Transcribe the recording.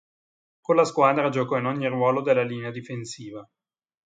Con la squadra giocò in ogni ruolo della linea difensiva.